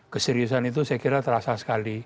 keseriusan itu saya kira terasa sekali